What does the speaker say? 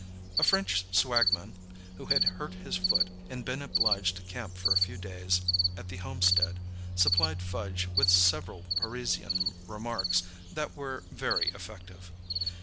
A French swag man, who had hurt his foot and been obliged to camp for a few days at the homestead, supplied Fudge with several Parisian remarks that were very effective.